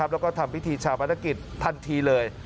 แล้วก็ทำพิธีชาวประนักศิลป์ทันทีเลย